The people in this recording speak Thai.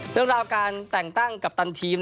เรื่องราวการแต่งตั้งกัปตันทีม